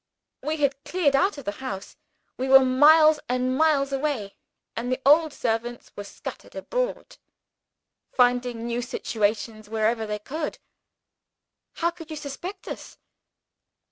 we had cleared out of the house; we were miles and miles away; and the old servants were scattered abroad, finding new situations wherever they could. How could you suspect us?